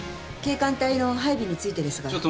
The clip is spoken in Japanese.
警官隊の配備についてですが。